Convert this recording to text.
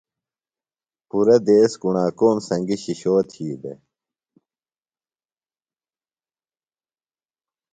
پُرہ دیس کُݨاکوم سنگیۡ شِشو تھی دےۡ۔